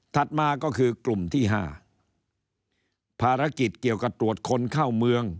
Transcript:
มาก็คือกลุ่มที่ห้าภารกิจเกี่ยวกับตรวจคนเข้าเมือง